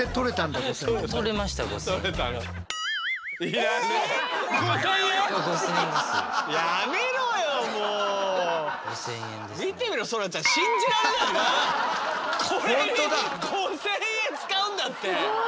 これに５，０００円使うんだって。